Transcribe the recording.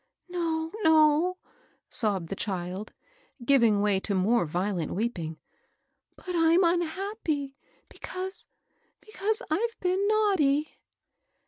"'* No, no," sobbed the child, giving way to more violent weeping; "but I'm unhappy because — because I've been naughty."